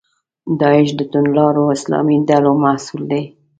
داعش د توندلارو اسلامي ډلو محصول دی.